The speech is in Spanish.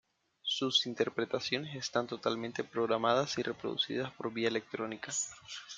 Sus interpretaciones están totalmente programadas y reproducidas por vía electrónica.